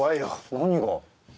何が？